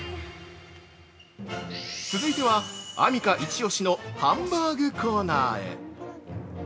続いてはアミカ一押しのハンバーグコーナーへ。